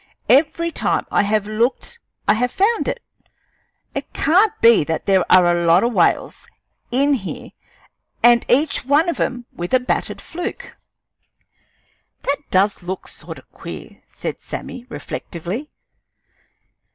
Every time I have looked I have found it. It can't be that there are a lot o' whales in here and each one of 'em with a battered fluke." "That does look sort o' queer," said Sammy, reflectively.